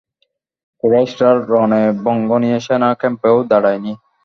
কুরাইশরা রণে ভঙ্গ দিয়ে সেনা ক্যাম্পেও দাঁড়ায়নি।